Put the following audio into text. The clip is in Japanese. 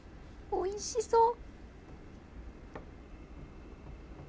おいしそう！